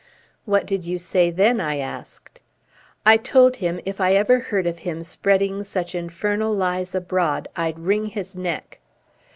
'" "What did you say then?" I asked. "I told him if ever I heard of him spreading such infernal lies abroad, I'd wring his neck."